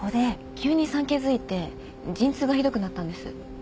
急に産気づいて陣痛がひどくなったんです。